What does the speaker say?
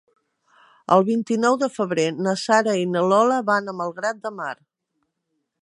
El vint-i-nou de febrer na Sara i na Lola van a Malgrat de Mar.